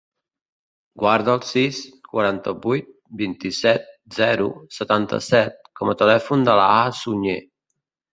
Guarda el sis, quaranta-vuit, vint-i-set, zero, setanta-set com a telèfon de l'Alaa Suñer.